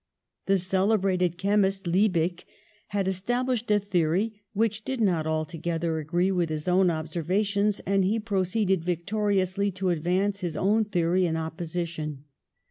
The celebrated chemist, Liebig, had established a theory which did not altogether agree with his own observations, and he pro ceeded victoriously to advance his own theory in opposition.